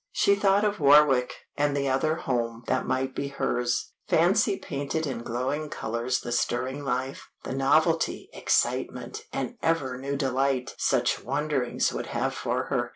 She thought of Warwick, and the other home that might be hers. Fancy painted in glowing colors the stirring life, the novelty, excitement, and ever new delight such wanderings would have for her.